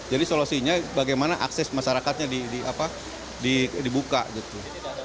jadi solusinya bagaimana akses masyarakatnya dibuka gitu